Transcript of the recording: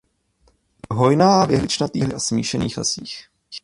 Je hojná v jehličnatých a smíšených lesích.